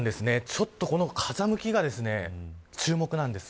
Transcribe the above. ちょっとこの風向きに注目なんです。